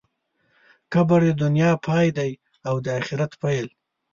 قبر د دنیا پای دی او د آخرت پیل.